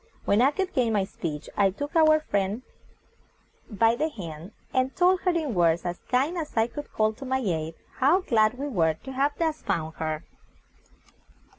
When I could gain my speech I took our new friend by the hand, and told her in words as kind as I could call to my aid, how, glad we were to have thus found her.